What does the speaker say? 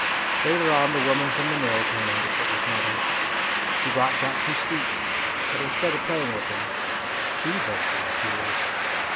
Later on the woman from the mill came in to sit with mother. She brought Jack some sweets, but instead of playing with him she burst into tears.